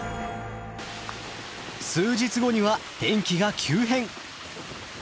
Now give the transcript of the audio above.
数日後には天気が急変！